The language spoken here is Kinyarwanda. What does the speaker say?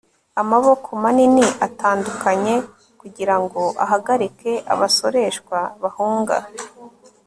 amaboko manini atandukanye kugirango ahagarike abasoreshwa bahunga